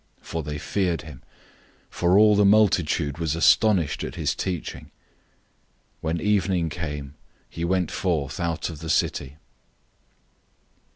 For they feared him, because all the multitude was astonished at his teaching. 011:019 When evening came, he went out of the city.